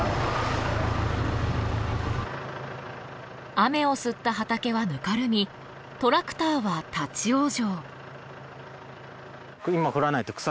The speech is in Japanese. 雨を吸った畑はぬかるみトラクターは立ち往生。